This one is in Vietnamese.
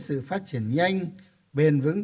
sự phát triển nhanh bền vững